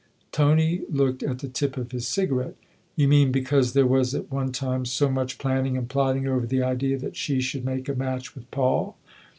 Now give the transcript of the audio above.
Tony looked at the tip of his cigarette. "You mean because there was at one time so much planning and plotting over the idea that she should make a match with Paul